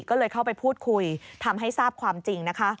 ก็เลยเข้าไปพูดคุยทำให้ทราบความจริงนะคะ